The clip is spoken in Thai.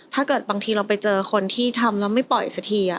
บางทีเราไปเจอคนที่ทำแล้วไม่ปล่อยสักที